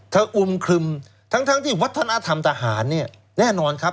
ถ้าอุ่มคลึมทั้งทั้งที่วัฒนธรรมทหารเนี้ยแน่นอนครับ